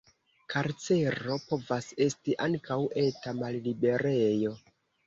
Karcero povas esti ankaŭ eta malliberejo.